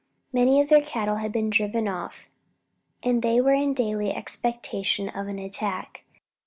Many of their cattle had been driven off, and they were in daily expectation of an attack.